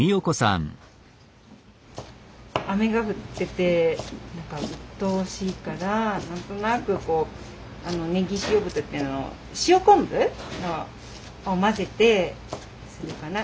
雨が降ってて何かうっとうしいから何となくこうネギ塩豚ってあの塩昆布を混ぜてするかな。